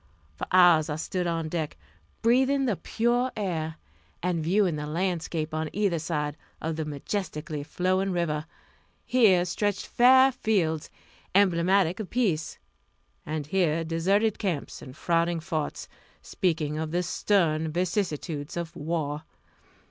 For hours I stood on deck, breathing the pure air, and viewing the landscape on either side of the majestically flowing river. Here stretched fair fields, emblematic of peace and here deserted camps and frowning forts, speaking of the stern vicissitudes of war.